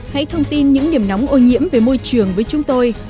hãy thông tin những điểm nóng ô nhiễm về môi trường với chúng tôi